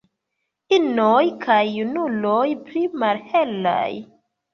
Inoj kaj junuloj pli malhelaj.